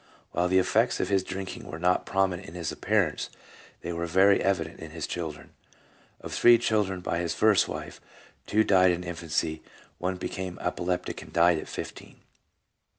While the effects of his drinking were not prominent in his appearance, they were very evident in his children. Of three children by his first wife, two died in infancy ; one became an epileptic and died at fifteen.